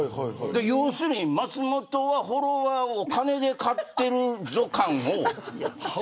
要するに、松本はフォロワーをお金で買ってるぞ感を。